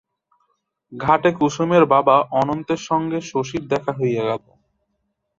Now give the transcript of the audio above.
ঘাটে কুসুমের বাবা অনন্তের সঙ্গে শশীর দেখা হইয়া গেল।